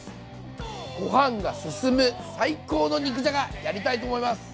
ご飯がすすむ最高の肉じゃがやりたいと思います。